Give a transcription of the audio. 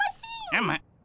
うむ。